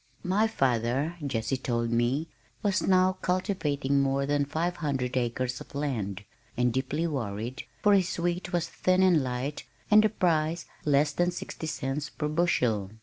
My father, Jessie told me, was now cultivating more than five hundred acres of land, and deeply worried, for his wheat was thin and light and the price less than sixty cents per bushel.